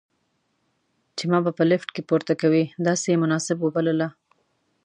چې ما به په لفټ کې پورته کوي، داسې یې مناسب وبلله.